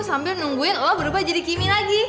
sambil nungguin lo berubah jadi kimi lagi